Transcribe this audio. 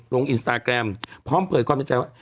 ลงอินสตาแกรมพร้อมเปิดความในใจว่า